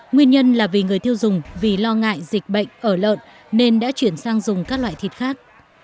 nguyên nhân là vì người tiêu dùng vì lo ngại dịch bệnh ở lợn nên đã chuyển sang dùng các loại thịt khác